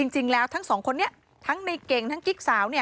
จริงแล้วทั้งสองคนนี้ทั้งในเก่งทั้งกิ๊กสาว